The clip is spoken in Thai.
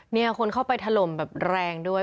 เนี่ยคนเข้าไปถล่มแบบแรงด้วย